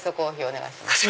お願いします。